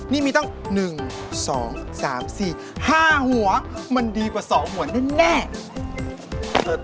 นี่มีตั้ง๑๒๓๔๕หัวมันดีกว่า๒หัวแน่